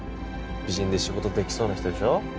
美人で仕事できそうな人でしょ？